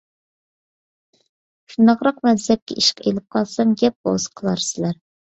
شۇنداقراق مەنسەپكە ئىشقا ئېلىپ قالسام گەپ بولسا قىلارسىلەر.